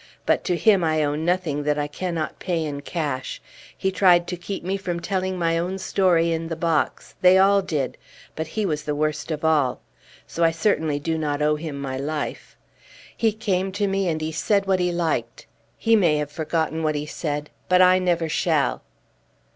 But to him I owe nothing that I cannot pay in cash. He tried to keep me from telling my own story in the box they all did but he was the worst of all. So I certainly do not owe him my life. He came to me and he said what he liked; he may have forgotten what he said, but I never shall."